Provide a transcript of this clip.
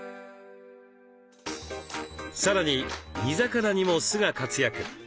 さらに煮魚にも酢が活躍。